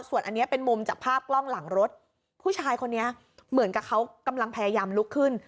ส่วนอันนี้เป็นมุมจากภาพกล้องหลังรถผู้ชายคนนี้เหมือนกับเขากำลังพยายามลุกขึ้น